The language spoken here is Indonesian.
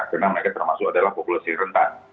karena mereka termasuk adalah populasi rentan